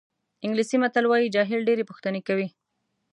انګلیسي متل وایي جاهل ډېرې پوښتنې کوي.